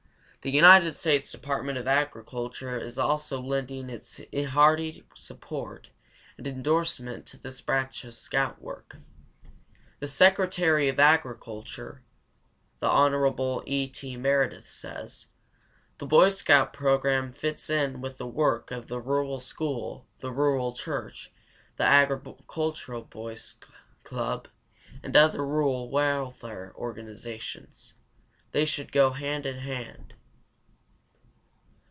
The United States Department of Agriculture is also lending its hearty support and indorsement to this branch of scout work. The Secretary of Agriculture, the Hon. E. T. Meredith, says: "The Boy Scout program fits in with the work of the rural school, the rural church, the agricultural boys' club, and other rural welfare organizations. They should go hand in hand."